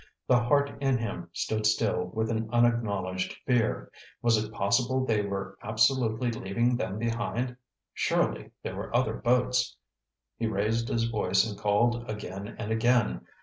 The heart in him stood still with an unacknowledged fear. Was it possible they were absolutely leaving them behind? Surely there were other boats. He raised his voice and called again and again.